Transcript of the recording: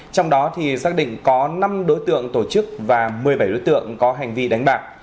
trong đó xác định có năm đối tượng tổ chức và một mươi bảy đối tượng có hành vi đánh bạc